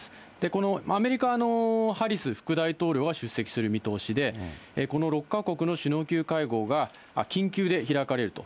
このアメリカのハリス副大統領は出席する見通しで、この６か国の首脳級会合が緊急で開かれると。